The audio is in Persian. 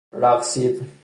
رقصید